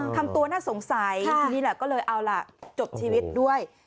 ทำตัวน่าสงสัยนี่แหละก็เลยเอาล่ะจบชีวิตด้วย